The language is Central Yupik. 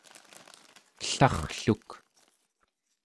ellarrluk